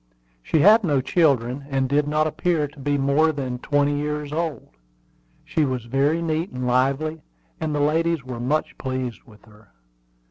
She had no children, and did not appear to be more than twenty years old. She was very neat and lively, and the ladies were much pleased with her.